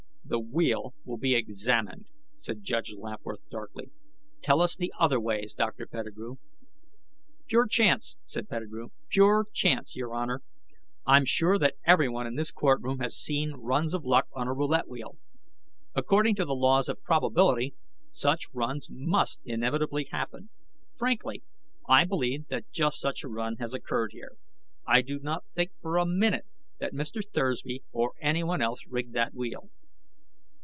"The wheel will be examined," said Judge Lapworth darkly. "Tell us the other ways, Dr. Pettigrew." "Pure chance," said Pettigrew. "Pure chance, Your Honor. I'm sure that everyone in this courtroom has seen runs of luck on a roulette wheel. According to the laws of probability, such runs must inevitably happen. Frankly, I believe that just such a run has occurred here. I do not think for a minute that Mr. Thursby or anyone else rigged that wheel."